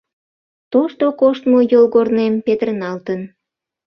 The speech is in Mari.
Тошто коштмо йолгорнем петырналтын.